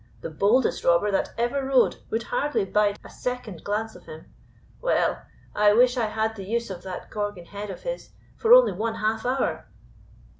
The boldest robber that ever rode would hardly bide a second glance of him. Well, I wish I had the use of that Gorgon head of his for only one half hour."